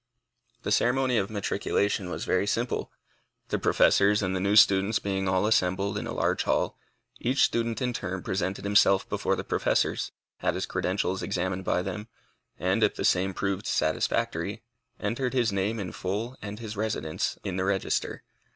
The ceremony of matriculation was very simple. The professors and the new students being all assembled, in a large hall, each student in turn presented himself before the professors, had his credentials examined by them, and if the same proved satisfactory, entered his name in full and his residence, in the register.